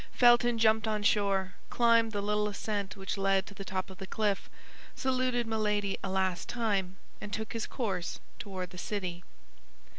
Felton jumped onshore, climbed the little ascent which led to the top of the cliff, saluted Milady a last time, and took his course toward the city.